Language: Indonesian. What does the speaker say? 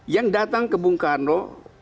yang datang ke bung karno